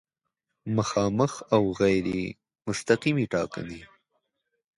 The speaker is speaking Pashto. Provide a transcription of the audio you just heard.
مخامخ او غیر مستقیمې ټاکنې